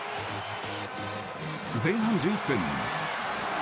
前半１１分。